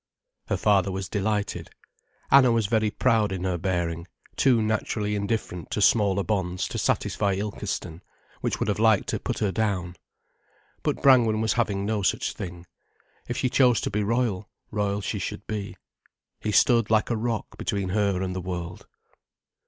Her father was delighted. Anna was very proud in her bearing, too naturally indifferent to smaller bonds to satisfy Ilkeston, which would have liked to put her down. But Brangwen was having no such thing. If she chose to be royal, royal she should be. He stood like a rock between her and the world.